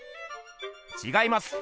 ちがいます。